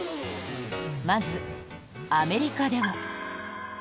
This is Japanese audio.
まず、アメリカでは。